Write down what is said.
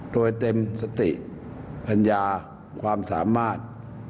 โดยเต็มสติปัญญาความสามารถ